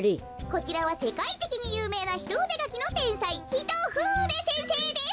こちらはせかいてきにゆうめいなひとふでがきのてんさいヒトフーデせんせいです。